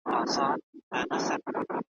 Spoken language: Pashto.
دا نظم مي `